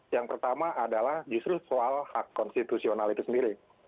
yang pertama adalah justru soal hak konstitusional itu sendiri